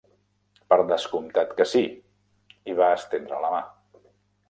"Per descomptat que sí", i va estendre la mà.